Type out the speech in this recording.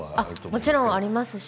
もちろんありますし